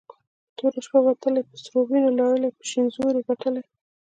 په توره شپه وتلې په سرو وينو لړلې په شين زور يي ګټلې